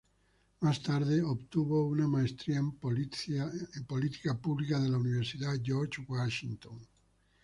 Más tarde obtuvo una maestría en política pública de la Universidad George Washington.